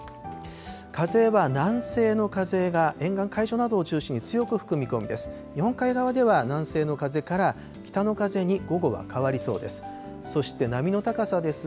風は南西の風が沿岸、海上などを中心に強く吹く見込みです。